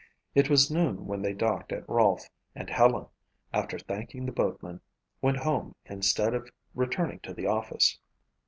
It was noon when they docked at Rolfe and Helen, after thanking the boatman, went home instead of returning to the office.